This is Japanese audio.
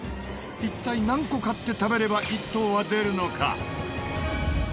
一体何個買って食べれば１等は出るのか？